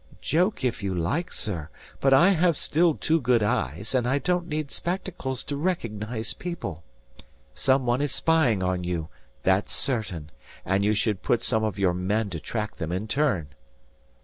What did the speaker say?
"Joke if you like, sir. But I have still two good eyes, and I don't need spectacles to recognize people. Someone is spying on you, that's certain; and you should put some of your men to track them in turn."